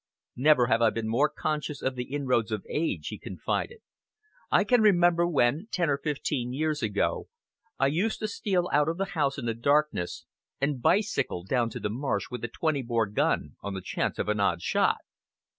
"Never have I been more conscious of the inroads of age," he confided. "I can remember when, ten or fifteen years ago, I used to steal out of the house in the darkness and bicycle down to the marsh with a twenty bore gun, on the chance of an odd shot."